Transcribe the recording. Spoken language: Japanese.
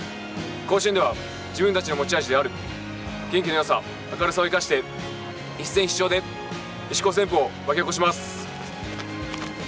甲子園では、自分たちの持ち味である元気のよさ明るさを生かして一戦必勝で石高旋風を巻き起こします。